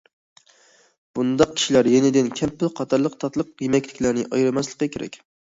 بۇنداق كىشىلەر يېنىدىن كەمپۈت قاتارلىق تاتلىق يېمەكلىكلەرنى ئايرىماسلىقى كېرەك.